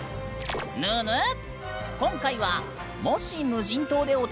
ぬぬっ！